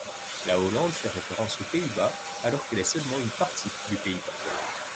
La Hollande fait référence aux Pays-Bas alors qu'elle est seulement une partie du Pays-Bas.